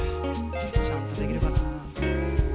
ちゃんとできるかな。